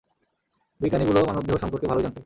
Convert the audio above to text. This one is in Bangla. বিজ্ঞানীগুলো মানবদেহ সম্পর্কে ভালোই জানতো।